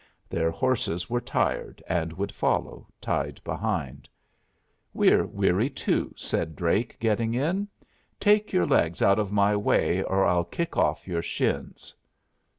Their horses were tired and would follow, tied behind. "We're weary, too," said Drake, getting in. "Take your legs out of my way or I'll kick off your shins.